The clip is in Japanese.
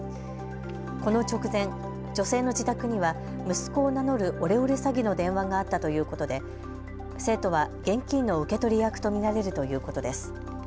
この直前、女性の自宅には息子を名乗るオレオレ詐欺の電話があったということで生徒は現金の受け取り役と見られるということです。